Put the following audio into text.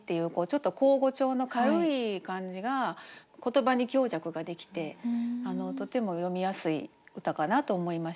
ちょっと口語調の軽い感じが言葉に強弱ができてとても読みやすい歌かなと思いました。